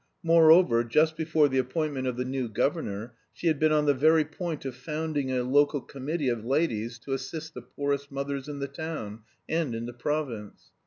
Moreover, just before the appointment of the new governor, she had been on the very point of founding a local committee of ladies to assist the poorest mothers in the town and in the province.